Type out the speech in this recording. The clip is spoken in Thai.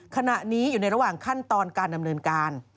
ขณะนี้อยู่ในระหว่างขั้นตอนการดำเนินการ